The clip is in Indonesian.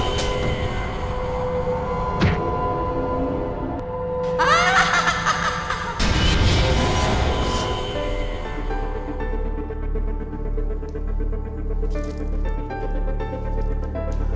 gua merending nih